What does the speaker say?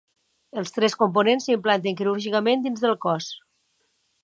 Els tres components s'implanten quirúrgicament dins el cos.